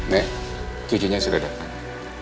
nek cucunya sudah datang